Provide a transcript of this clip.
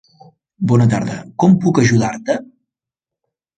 Bona tarda, com puc ajudar-te?